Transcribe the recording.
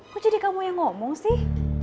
kok jadi kamu yang ngomong sih